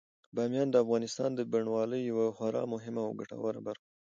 بامیان د افغانستان د بڼوالۍ یوه خورا مهمه او ګټوره برخه ده.